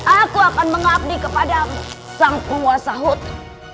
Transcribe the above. aku akan mengabdi kepadamu sang penguasa hutu